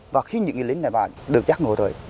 và khi những người lính này bạn được giác ngộ rồi